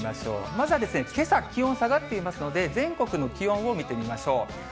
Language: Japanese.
まずはけさ、気温下がっていますので、全国の気温を見てみましょう。